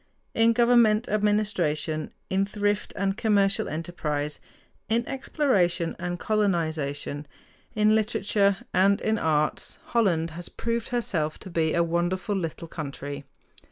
In government administration, in thrift and commercial enterprise, in exploration and colonization, in literature, and in arts, Holland has proved herself to be a wonderful little country.